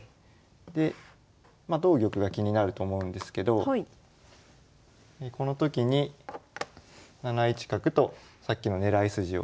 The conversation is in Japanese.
まあ同玉が気になると思うんですけどこの時に７一角とさっきの狙い筋をしまして